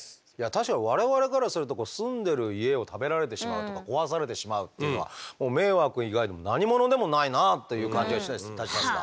確かに我々からすると住んでいる家を食べられてしまうとか壊されてしまうっていうのはもう迷惑以外の何物でもないなという感じがいたしますが。